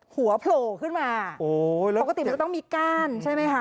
หัวโผล่ขึ้นมาโอ้ยปกติมันก็ต้องมีก้านใช่ไหมฮะ